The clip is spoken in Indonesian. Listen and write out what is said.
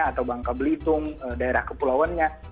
atau bangka belitung daerah kepulauannya